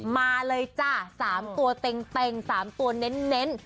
มาเลยจ้ะ๓ตัวเต็ง๓ตัวเน้น